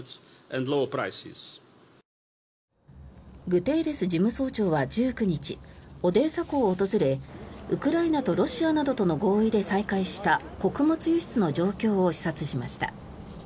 グテーレス事務総長は１９日オデーサ港を訪れウクライナとロシアなどとの合意で再開した穀物輸出の状況を視察しました。